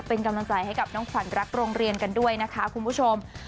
เป็นกำลังใจให้กับน้องขวัญรักโรงเรียนกันด้วยนะคะคุณผู้ชม